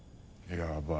やばい？